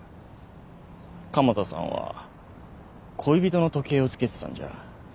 加茂田さんは恋人の時計を着けてたんじゃ？